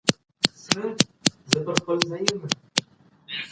تاسو به د خپل ژوند د هري بریا شکر وباسئ.